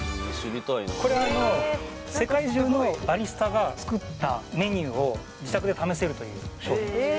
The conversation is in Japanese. これあの世界中のバリスタが作ったメニューを自宅で試せるという商品です